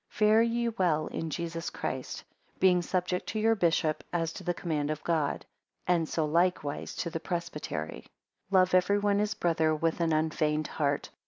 7 Fare ye well in Jesus Christ; being subject to your bishop as to the command of God; and so like. wise to the presbytery. 8 Love every one his brother with an unfeigned heart.